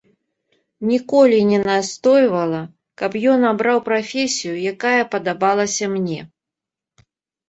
Ніколі не настойвала, каб ён абраў прафесію, якая падабалася мне.